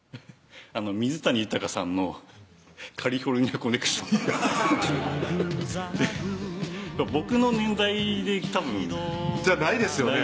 水谷豊さんのカリフォルニア・コネクシハハハ僕の年代でたぶんじゃないですよね